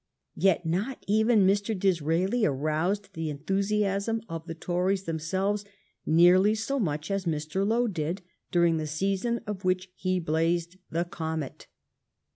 Yet not even Mr. Disraeli aroused the enthusiasm of the Tories themselves nearly so much as Mr. Lowe did during the season of which he blazed the comet.